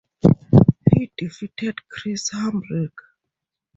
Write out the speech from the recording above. He defeated Chris Hamrick.